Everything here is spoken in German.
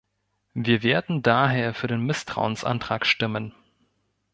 Wir werden daher für den Misstrauensantrag stimmen.